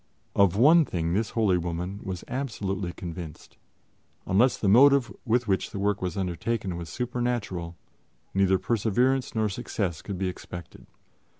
Of one thing this holy woman was absolutely convinced unless the motive with which the work was undertaken was supernatural, neither perseverance nor success could be expected.